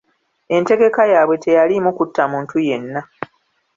Entegeka yaabwe teyaliimu kutta muntu yenna.